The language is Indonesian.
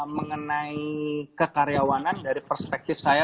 mengenai kekaryawanan dari perspektif saya